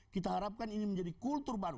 kita harapkan ini menjadi kultur baru